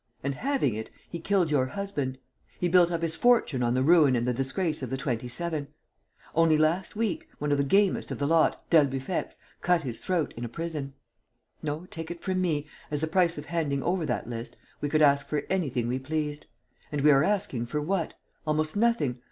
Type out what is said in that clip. And, having it, he killed your husband. He built up his fortune on the ruin and the disgrace of the Twenty seven. Only last week, one of the gamest of the lot, d'Albufex, cut his throat in a prison. No, take it from me, as the price of handing over that list, we could ask for anything we pleased. And we are asking for what? Almost nothing